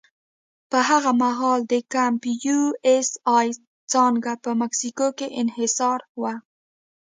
په هغه مهال د کمپ یو اس اې څانګه په مکسیکو کې انحصاري وه.